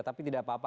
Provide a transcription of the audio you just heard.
tapi tidak apa apa